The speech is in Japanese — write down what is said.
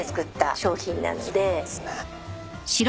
そうなんですね。